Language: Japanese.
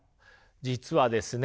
実はですね